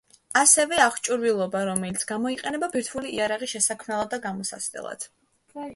ასევე, აღჭურვილობა, რომელიც გამოიყენება ბირთვული იარაღის შესაქმნელად და გამოსაცდელად.